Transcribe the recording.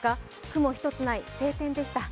雲一つない晴天でした。